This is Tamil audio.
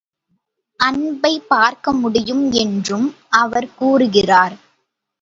அன்பைப் பார்க்க முடியும் என்றும் அவர் கூறுகிறார்.